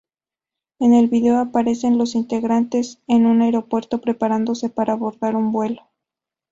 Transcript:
En el video aparecen los integrantes en un aeropuerto preparándose para abordar un vuelo.